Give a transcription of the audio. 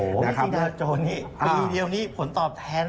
โอ้โหพี่ซีดาโจนปีเดียวนี้ผลตอบแทน